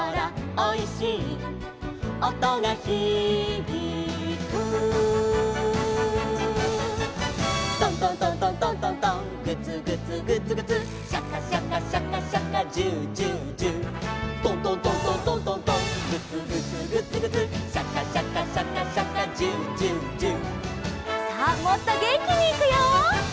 「おいしいおとがひびく」「トントントントントントントン」「グツグツグツグツシャカシャカシャカシャカ」「ジュージュージュー」「トントントントントントントン」「グツグツグツグツシャカシャカシャカシャカ」「ジュージュージュー」さあもっとげんきにいくよ！